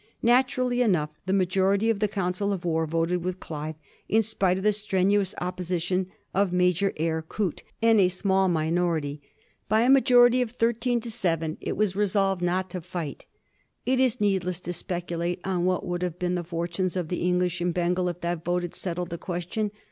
Naturally enough, the majority of the coun cil of war voted with Clive, in spite of the strenuous op position of Major Eyre Coote and a small minority. By a majority of thirteen to seven it was resolved not to fight. It is needless to speculate on what would have been the fortunes of the English in Bengal if that vote had settled the question.